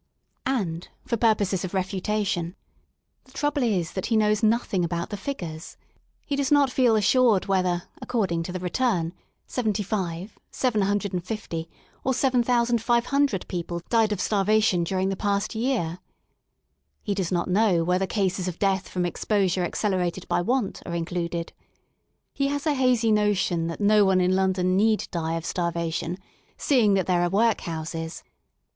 And, for purposes of refutation, the trouble is that he knows nothing about the figures* He does not feel assured whether, according to the Return, 75, 750, or 7,500 people died of starvation during the past yean He does not know whether cases of death from exposure ac celerated by want*' are included He has a hazy notion that no one in London need die of starvation, seeing that there are workhouses.